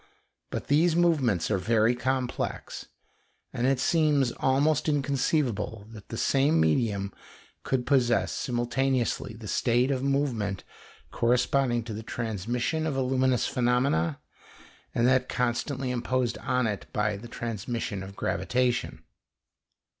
But these movements are very complex, and it seems almost inconceivable that the same medium could possess simultaneously the state of movement corresponding to the transmission of a luminous phenomenon and that constantly imposed on it by the transmission of gravitation.